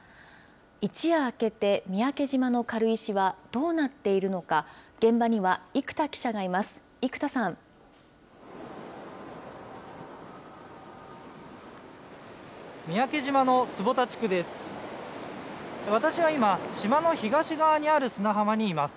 一夜明けて三宅島の軽石はどうなっているのか、現場には生田記者がいます。